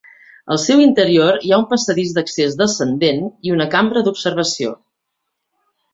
Al seu interior hi ha un passadís d'accés descendent i una cambra d'observació.